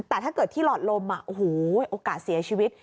แต่ถ้าเกิดที่หลอดลมโอกาสเสียชีวิต